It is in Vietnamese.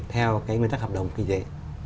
theo nguyên tắc hợp đồng kinh tế